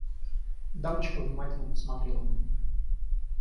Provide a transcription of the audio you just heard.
Дамочка внимательно посмотрела на меня.